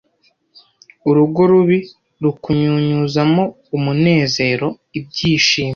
Urugo rubi rukunyunyuzamo umunezero, ibyishimo